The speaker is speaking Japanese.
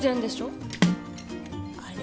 あれ？